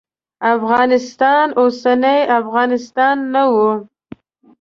افغانستان اوسنی افغانستان نه و.